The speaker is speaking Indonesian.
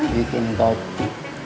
bikin kau putih